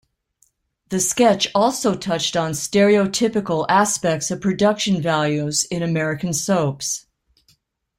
The sketch also touched on stereotypical aspects of production values in American soaps.